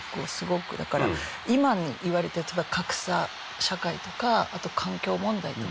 だから今にいわれている例えば格差社会とかあと環境問題とか。